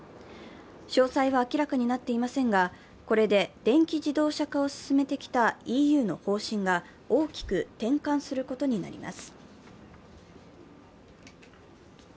詳細は明らかになっていませんが、これで電気自動車化を進めてきたＥＵの方針が大きく転換することになります。